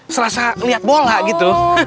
serasa lihat bola gitu